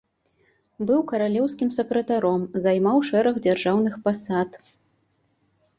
Быў каралеўскім сакратаром, займаў шэраг дзяржаўных пасад.